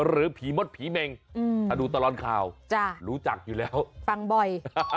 หรือผีมดผีเมงถ้าดูตลอดข่าวรู้จักอยู่แล้วฟังบ่อย